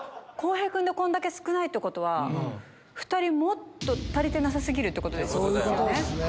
洸平君でこんだけ少ないってことは２人もっと足りてなさ過ぎるってことですよね。